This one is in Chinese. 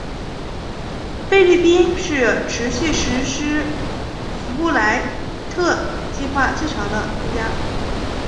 菲律宾是持续实施福布莱特计划最长的国家。